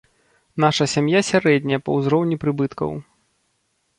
Наша сям'я сярэдняя па ўзроўні прыбыткаў.